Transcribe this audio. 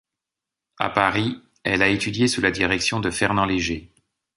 À Paris, elle a étudié sous la direction de Fernand Léger.